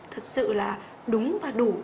thật sự là đúng và đủ